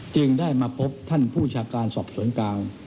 จึงได้มาพบท่านผู้ชาการสอบสวนกลาง